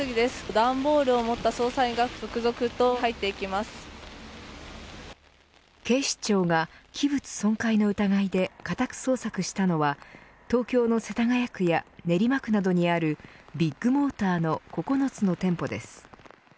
段ボールを持った捜査員が警視庁が器物損壊の疑いで家宅捜索したのは東京の世田谷区や練馬区などにあるビッグモーターの９つの店舗です。